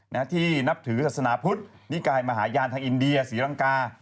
ที่นับถือศาสนาพุทธนิกายมหาญาณทางอินเดียศรีรังกา